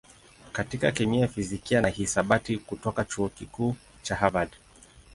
katika kemia, fizikia na hisabati kutoka Chuo Kikuu cha Harvard.